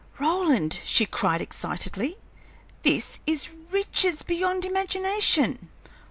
"Roland," she cried, excitedly, "this is riches beyond imagination!